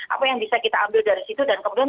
apa yang bisa kita ambil dari situ dan kemudian